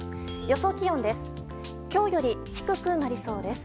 予想気温です。